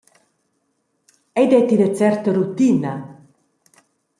Ei detti ina certa rutina.